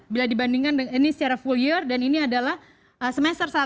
bila dibandingkan ini secara full year dan ini adalah semester satu